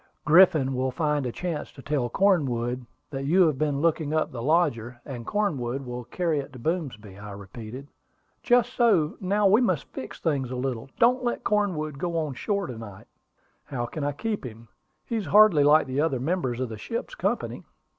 "Griffin will find a chance to tell Cornwood that you have been looking up the lodger, and Cornwood will carry it to Boomsby," I repeated. "Just so. Now, we must fix things a little. Don't let Cornwood go on shore to night." "How can I keep him? He is hardly like the other members of the ship's company."